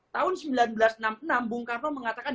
tahun seribu sembilan ratus enam puluh enam bung karno mengatakan